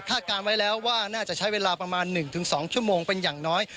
การไว้แล้วว่าน่าจะใช้เวลาประมาณ๑๒ชั่วโมงเป็นอย่างน้อย